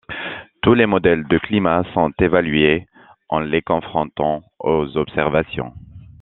Tous les modèles de climat sont évalués en les confrontant aux observations.